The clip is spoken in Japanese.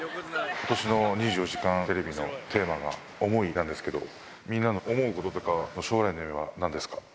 ことしの２４時間テレビのテーマが、想いなんですけど、みんなの想うこととか、将来の夢はなんですか？